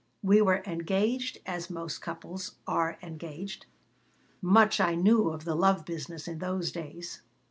"We were engaged as most couples are engaged. Much I knew of the love business in those days."